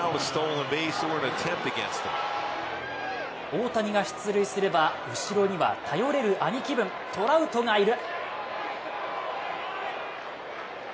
大谷が出塁すれば後ろには頼れる兄貴分トラウトがいる。